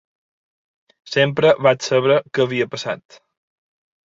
Sempre vaig saber què havia passat.